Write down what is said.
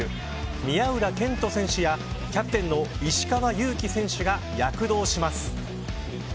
宮浦健人選手やキャプテンの石川祐希選手が躍動します。